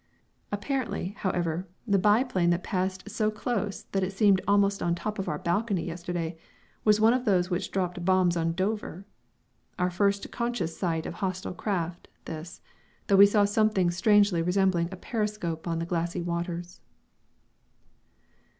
Apparently, however, the biplane that passed so close that it seemed almost on top of our balcony yesterday, was one of those which dropped bombs on Dover! Our first conscious sight of hostile craft, this, though we saw something strangely resembling a periscope on the glassy waters.